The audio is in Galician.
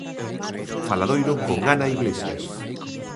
Faladoiro con Ana Iglesias.